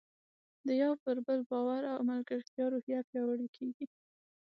د یو پر بل باور او ملګرتیا روحیه پیاوړې کیږي.